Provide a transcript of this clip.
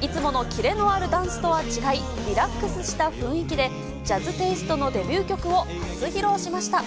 いつものキレのあるダンスとは違い、リラックスした雰囲気で、ジャズテイストのデビュー曲を初披露しました。